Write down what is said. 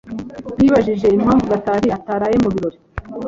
Nabajije impamvu Gatari ataraye mu birori.